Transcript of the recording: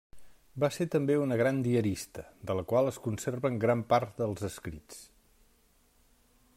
Va ser també una gran diarista, de la qual es conserven gran part dels escrits.